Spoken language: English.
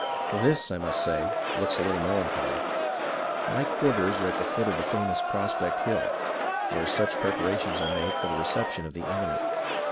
This, I must say, looks a little melancholy. My quarters are at the foot of the famous Prospect Hill, where such preparations are made for the reception of the enemy.